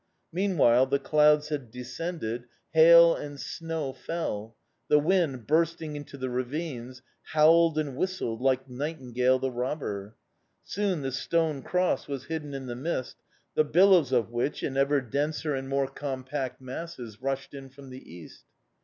Meanwhile the clouds had descended, hail and snow fell; the wind, bursting into the ravines, howled and whistled like Nightingale the Robber. Soon the stone cross was hidden in the mist, the billows of which, in ever denser and more compact masses, rushed in from the east...